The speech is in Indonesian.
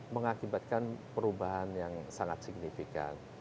mengakibatkan perubahan yang sangat signifikan